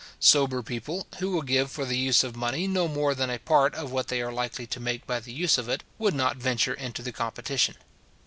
Sober people, who will give for the use of money no more than a part of what they are likely to make by the use of it, would not venture into the competition.